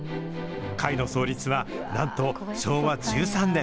会の創立はなんと、昭和１３年。